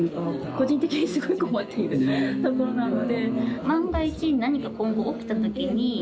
個人的にすごい困っているところなので。